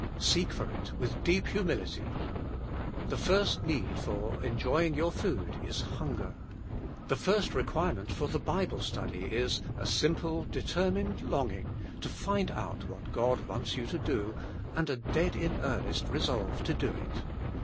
Seek for it with deep humility. The first need for enjoying your food is hunger. The first re 50 The Inner Chamber quirement for the Bible study is A Simple, De termined Longing to Find out What God Wants You to Do, and a Dead in earnest Kesolve to Do It.